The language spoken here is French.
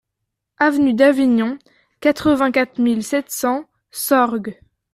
Avenue d'Avignon, quatre-vingt-quatre mille sept cents Sorgues